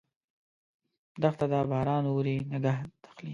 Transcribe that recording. دښته ده ، باران اوري، نګهت اخلي